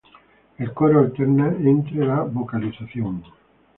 El coro alterna entre la vocalización.